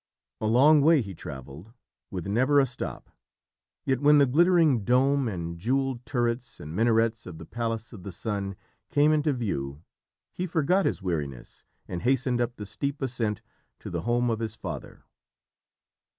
A long way he travelled, with never a stop, yet when the glittering dome and jewelled turrets and minarets of the Palace of the Sun came into view, he forgot his weariness and hastened up the steep ascent to the home of his father.